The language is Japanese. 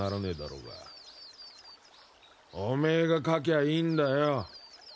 おめえがかきゃいいんだよ。